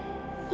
gak ada siapa